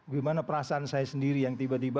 gimana perasaan saya sendiri yang tiba tiba